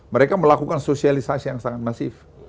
mereka melakukan sosialisasi yang sangat masif